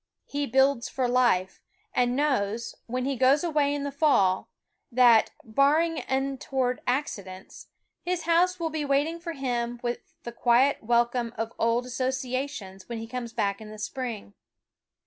He builds for life, and knows, when he goes away in the fall, that, barring untoward accidents, his house will be waiting for him with the quiet welcome of old asso ciations when he comes back in the spring.